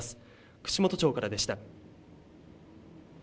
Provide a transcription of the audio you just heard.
串本町からでした。